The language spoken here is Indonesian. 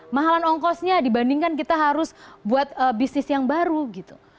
mahalan ongkosnya dibandingkan kita harus buat bisnis yang baru gitu